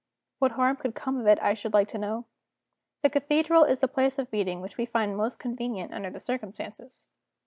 What harm could come of it, I should like to know? The cathedral is the place of meeting which we find most convenient, under the circumstances.